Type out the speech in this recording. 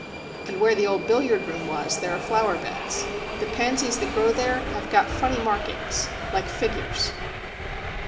And where the old billiard room was there are flower beds. The pansies that grow there have got funny markings like figures.